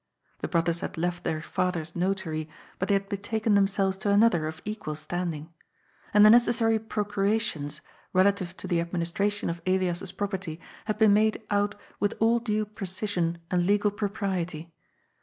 The brothers had left their father's notary, but they had betaken themselyes to another of equal standing. And the necessary <' procurations " relative to the administration of 18 194 GOD'S FOOL. Elias's property had been made out with all due precision and le^ propriety.